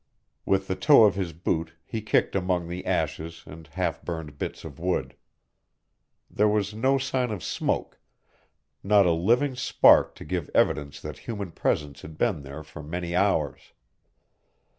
With the toe of his boot he kicked among the ashes and half burned bits of wood. There was no sign of smoke, not a living spark to give evidence that human presence had been there for many hours.